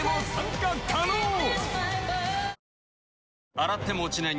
洗っても落ちない